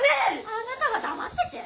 ・あなたは黙ってて！